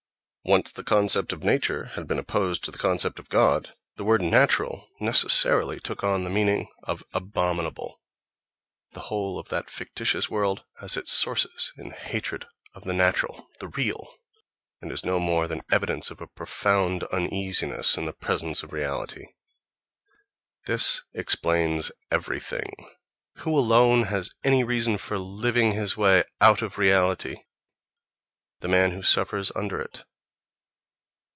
Once the concept of "nature" had been opposed to the concept of "God," the word "natural" necessarily took on the meaning of "abominable"—the whole of that fictitious world has its sources in hatred of the natural (—the real!—), and is no more than evidence of a profound uneasiness in the presence of reality.... This explains everything. Who alone has any reason for living his way out of reality? The man who suffers under it.